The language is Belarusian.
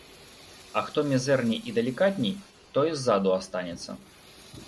А хто мізэрней і далікатней, той ззаду астанецца.